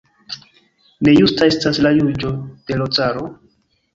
Ne justa estas la juĝo de l' caro?